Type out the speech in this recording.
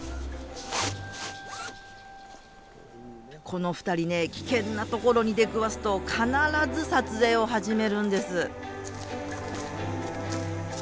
この二人ね危険なところに出くわすと必ず撮影を始めるんです。